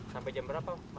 sampai jam berapa